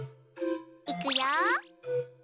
いくよ。